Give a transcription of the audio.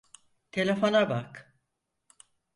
Telefona bak.